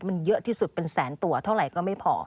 มันเยอะที่สุดเป็นแสนตัวเท่าไหร่ก็ไม่พอ